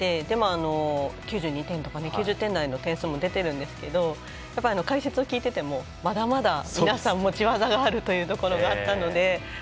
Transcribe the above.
でも、９２点とか９０点台の点数も出ているんですけど解説を聞いていてもまだまだ、皆さん持ち技があるというところがあったので。